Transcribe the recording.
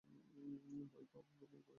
ভয় পাও বলেই ভয় দেখান।